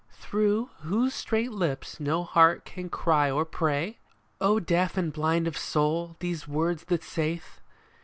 Through whose strait lips no heart can cry or pray? " O deaf and blind of soul, these words that saith